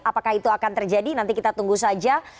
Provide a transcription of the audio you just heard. apakah itu akan terjadi nanti kita tunggu saja